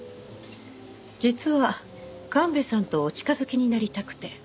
実は神戸さんとお近づきになりたくて。